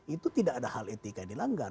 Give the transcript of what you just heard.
itu tidak ada hal etika yang dilanggar